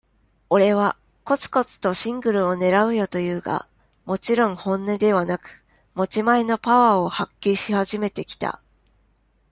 俺は、コツコツとシングルを狙うよと言うが、もちろん本音ではなく、持ち前のパワーを発揮し始めてきた。